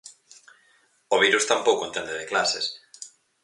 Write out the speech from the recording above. O virus tampouco entende de clases.